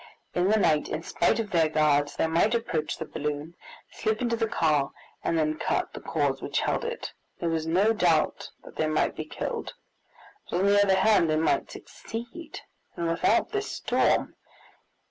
In the night, in spite of their guards, they might approach the balloon, slip into the car, and then cut the cords which held it. There was no doubt that they might be killed, but on the other hand they might succeed, and without this storm!